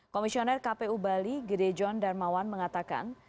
komisioner kpu bali gede john darmawan mengatakan